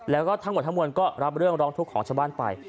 แล้วก็ทั้งหมดทั้งมวลก็รับเรื่องร้องทุกข์ของชาวบ้านไป